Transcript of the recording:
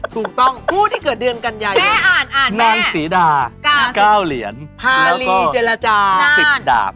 ถูกต้องผู้ที่เกิดเดือนกัญญายนแม่อ่านแม่นางสีดา๙เหรียญพาลีเจรจา๑๐ดาบ